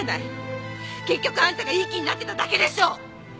結局あんたがいい気になってただけでしょ！